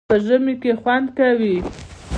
پاتې په ژمي کی خوندکوی